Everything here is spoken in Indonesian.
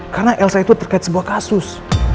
karena elsa itu terkait sebuah kasus